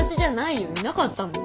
いなかったもん。